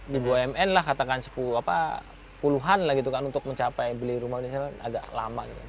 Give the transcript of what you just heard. di bumn lah katakan puluhan lah gitu kan untuk mencapai beli rumah di sana agak lama gitu